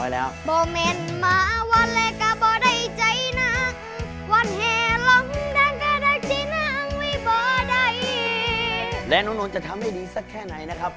และน้องนนท์จะทำให้ดีสักแค่ไหนนะครับ